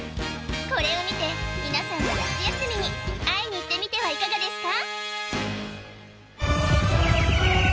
これを見てみなさんも夏休みに会いにいってみてはいかがですか？